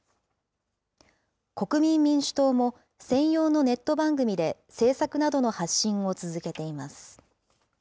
国民民主党も、専用のネット番組で政策などの発信を続けています。